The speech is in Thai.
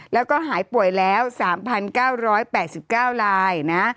แล้วก็หายป่วยแล้ว๓๙๘๙รายนะ